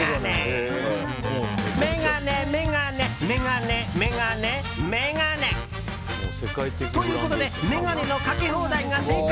眼鏡、眼鏡、眼鏡。ということで眼鏡のかけ放題が正解！